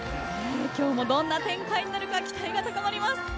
今日もどんな展開になるか期待が高まります。